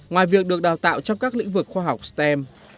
ngoài việc được đào tạo trong các lĩnh vực khoa học stem